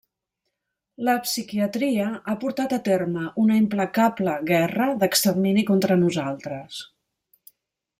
La psiquiatria ha portat a terme una implacable guerra d'extermini contra nosaltres.